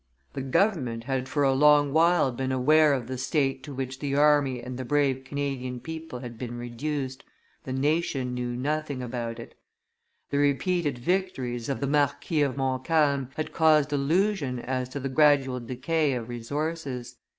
The government had for a long while been aware of the state to which the army and the brave Canadian people had been reduced, the nation knew nothing about it; the repeated victories of the Marquis of Montcalm had caused illusion as to the gradual decay of resources.